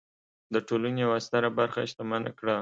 د ټولنې یوه ستره برخه شتمنه کړه.